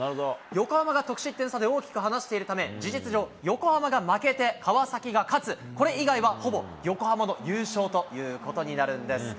横浜が得失点差で大きく離しているため、事実上、横浜が負けて、川崎が勝つ、これ以外はほぼ横浜の優勝ということになるんです。